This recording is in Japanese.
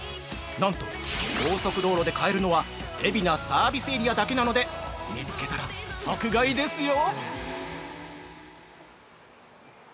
なんと高速道路で買えるのは海老名サービスエリアだけなので見つけたら即買いですよ！